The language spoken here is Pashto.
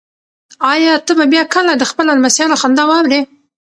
ایا ته به بیا کله د خپلو لمسیانو خندا واورې؟